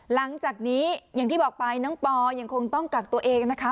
หลังจากนี้อย่างที่บอกไปน้องปอยังคงต้องกักตัวเองนะคะ